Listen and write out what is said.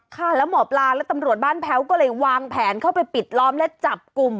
ค่ะแล้วหมอปลาและตำรวจบ้านแพ้วก็เลยวางแผนเข้าไปปิดล้อมและจับกลุ่ม